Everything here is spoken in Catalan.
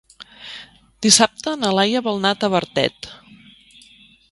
Dissabte na Laia vol anar a Tavertet.